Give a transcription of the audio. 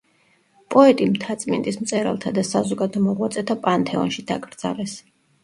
პოეტი მთაწმინდის მწერალთა და საზოგადო მოღვაწეთა პანთეონში დაკრძალეს.